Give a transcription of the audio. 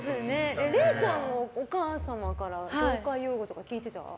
れいちゃんもお母様から業界用語とか聞いてた？